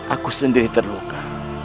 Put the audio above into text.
aku sendiri terluka